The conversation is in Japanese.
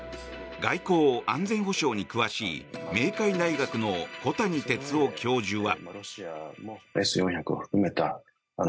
外交・安全保障に詳しい明海大学の小谷哲男教授は。